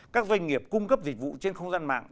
các doanh nghiệp cung cấp dịch vụ trên không gian mạng